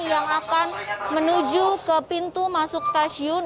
yang akan menuju ke pintu masuk stasiun